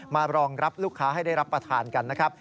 รองรับลูกค้าให้ได้รับประทานกันนะครับ